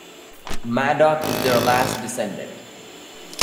Madoc is their last descendant.